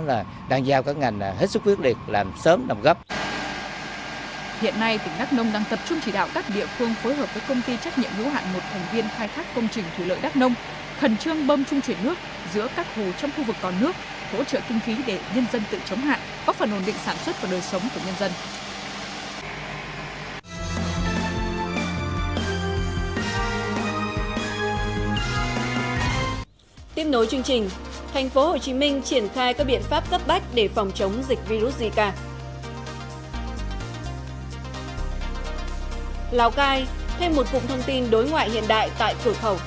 lào cai thêm một phụng thông tin đối ngoại hiện đại tại cửa khẩu